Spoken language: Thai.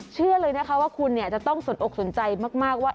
เชื่อเลยนะคะว่าคุณจะต้องสนอกสนใจมากว่า